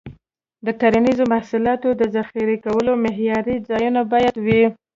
د کرنیزو محصولاتو د ذخیره کولو معیاري ځایونه باید وي.